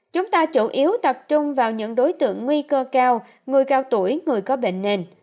chúng ta chủ yếu tập trung vào những đối tượng nguy cơ cao người cao tuổi người có bệnh nền